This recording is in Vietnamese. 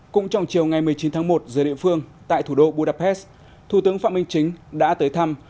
cũng trong chiều ngày một mươi chín tháng một giờ địa phương tại thủ đô budapest thủ tướng phạm minh chính đã tới thăm